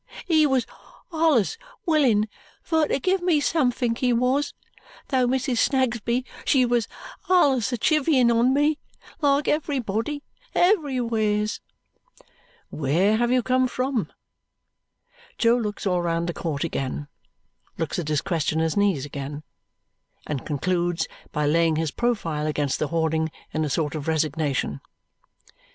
He wos allus willin fur to give me somethink he wos, though Mrs. Snagsby she was allus a chivying on me like everybody everywheres." "Where have you come from?" Jo looks all round the court again, looks at his questioner's knees again, and concludes by laying his profile against the hoarding in a sort of resignation.